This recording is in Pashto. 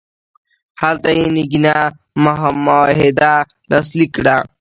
هلته یې ننګینه معاهده لاسلیک کړه.